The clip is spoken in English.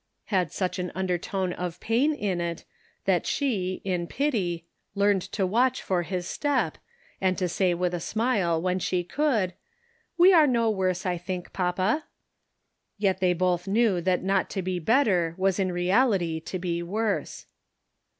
had such an undertone of pain in it that she, in pity, learned to watch for his step, and to say with a smile, when she could, " We are no worse, I think, papa." Yet they both knew that not to be better was in reality to be worse.